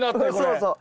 そうそう。